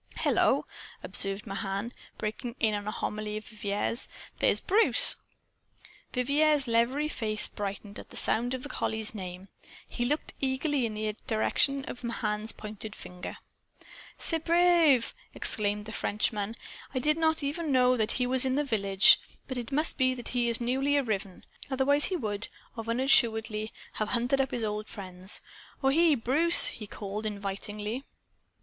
"Hello!" observed Mahan, breaking in on a homily of Vivier's. "There's Bruce!" Vivier's leathery face brightened at sound of the collie's name. He looked eagerly in the direction of Mahan's pointing finger. "Ce brave!" exclaimed the Frenchman. "I did not know even that he was in the village. It must be he is but new arriven. Otherwise he would, of an assuredly, have hunted up his old friends. Ohe, Bruce!" he called invitingly.